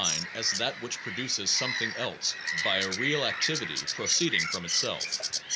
100 NOVELTY AND CAUSATION that which produces something else by a real activity proceeding from itself.